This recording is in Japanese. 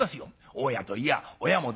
大家といや親も同様。